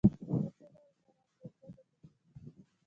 دا څه ډول خوراک ده او څنګه پخیږي